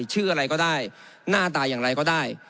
ชื่ออะไรก็ได้หน้าตาอย่างไรก็ได้